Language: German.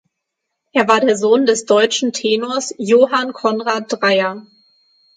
Er war der Sohn des deutschen Tenors Johann Conrad Dreyer.